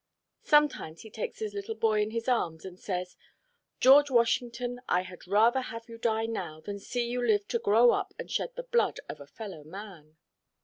Sometimes he takes his little boy in his arms, and says, "George Washington, I had rather have you die now, than see you live to grow up and shed the blood of a fellow man."